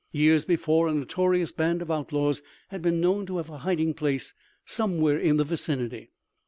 Years before a notorious band of outlaws had been known to have a hiding place somewhere in the vicinity.